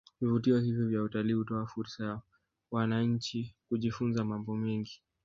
Vivutio hivi vya utalii hutoa fursa ya wananchi kujifunza mambo mengi